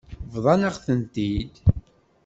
Bḍan-aɣ-tent-id.